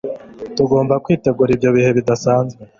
Tugomba kwitegura ibyo bihe bidasanzwe